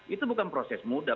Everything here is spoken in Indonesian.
itu bukan proses mudah